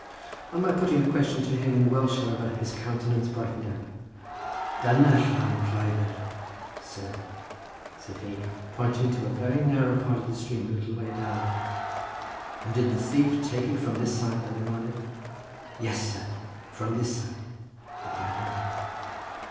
On my putting the question to him in Welsh, however, his countenance brightened up. "Dyna Llam Lleidyr, sir!" said he, pointing to a very narrow part of the stream a little way down. "And did the thief take it from this side?" I demanded. "Yes, sir, from this side," replied the man.